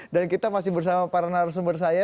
dan kita masih bersama para narasumber saya